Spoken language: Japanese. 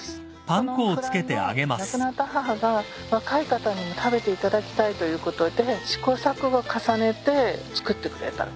このフライは亡くなった母が若い方にも食べていただきたいということで試行錯誤重ねて作ってくれたという。